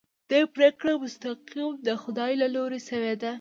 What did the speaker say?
دې پرېکړه مستقیماً د خدای له لوري شوې ده.